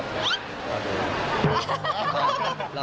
เดี๋ยวรอดูครับ